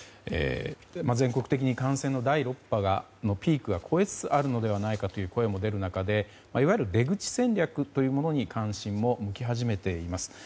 全国的に感染の第６波のピークは越えつつあるのではという声も出る中でいわゆる出口戦略というものに関心も向き始めています。